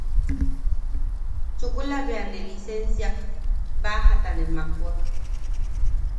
Chukula bea ne lisensiak, baajata ne aʼawak.